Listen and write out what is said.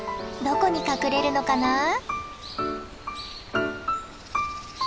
どこに隠れるのかな？